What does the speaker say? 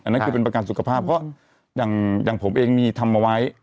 นั่นคือเป็นประกันสุขภาพเพราะอย่างผมเองมีทำเอาไว้